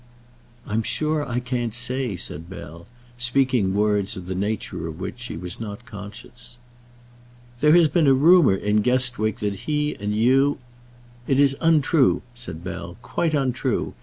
"I'm sure I can't say," said Bell, speaking words of the nature of which she was not conscious. "There has been a rumour in Guestwick that he and you " "It is untrue," said Bell; "quite untrue.